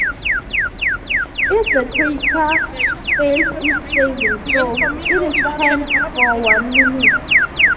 If the creature fails its saving throw, it is turned for one minute.